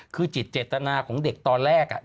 คือจิตเจตนาของเด็กตอนแรก